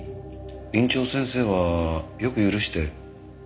院長先生はよく許して。